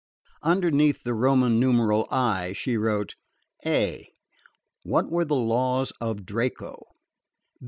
Underneath the Roman numeral "I" she wrote: "_(a) What were the laws of Draco?